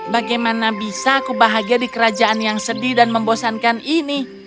bagaimana bisa aku bahagia di kerajaan yang sedih dan membosankan ini